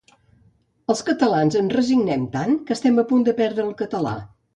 Els catalans ens resignem tant que estem a punt de perdre el català